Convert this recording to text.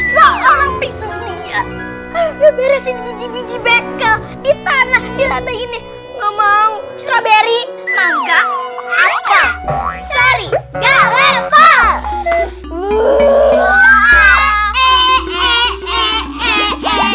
setia beresin biji biji bekel di tanah di lantai ini ngomong strawberry mangga apel seri gaul